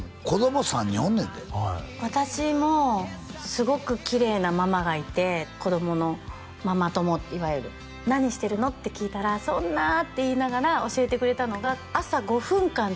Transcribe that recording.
子供３人おんねんで私もすごくキレイなママがいて子供のママ友いわゆる「何してる？」って聞いたら「そんな」って言いながら教えてくれたのが朝５分間